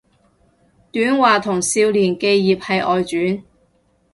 短話同少年寄葉係外傳